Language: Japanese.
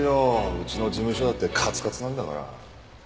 うちの事務所だってカツカツなんだから。